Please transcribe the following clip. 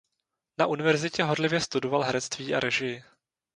Na univerzitě horlivě studoval herectví a režii.